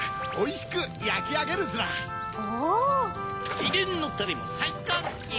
ひでんのタレもさいこうきゅう！